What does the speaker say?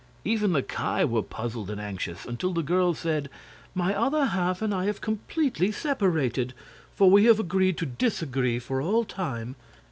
Even the Ki were puzzled and anxious, until the girl said: "My other half and I have completely separated, for we have agreed to disagree for all time.